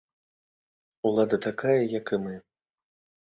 Улада такая, як і мы.